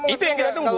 itu yang kita tunggu